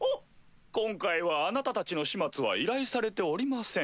今回はあなたたちの始末は依頼されておりません。